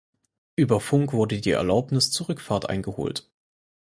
Über Funk wurde die Erlaubnis zur Rückfahrt eingeholt.